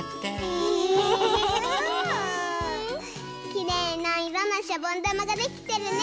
きれいないろのしゃぼんだまができてるね。